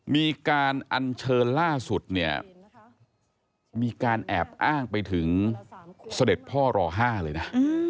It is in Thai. มีการอัญเชิญล่าสุดเนี่ยมีการแอบอ้างไปถึงเสด็จพ่อรอ๕เลยนะ